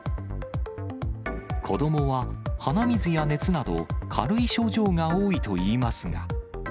子どもは鼻水や熱など、軽い症状が多いといいますが。